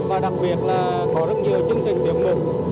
và đặc biệt là có rất nhiều chương trình tiệc mục